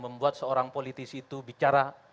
membuat seorang politisi itu bicara